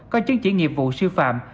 có chứng chỉ nghiệp vụ siêu phạm